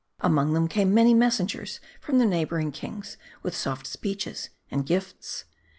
Among them came many messengers from the neighboring kings with soft speeches and gifts.